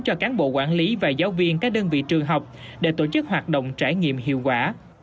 cho cán bộ quản lý và giáo viên các đơn vị trường học để tổ chức hoạt động trải nghiệm hiệu quả